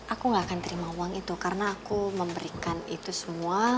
aku gak akan terima uang itu karena aku memberikan itu semua